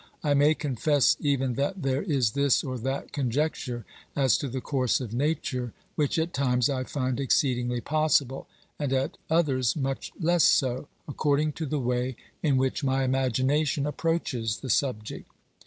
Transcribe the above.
I may confess even that there is this or that conjecture as to the course of Nature which at times I find exceedingly possible and at others much less so, according to the way in which my imagination approaches the subject.